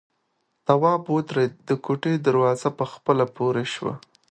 تواب ودرېد، د کوټې دروازه په خپله پورې شوه.